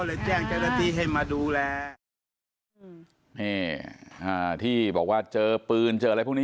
เลยแจ้งเจ้าหน้าที่ให้มาดูแลอืมนี่อ่าที่บอกว่าเจอปืนเจออะไรพวกนี้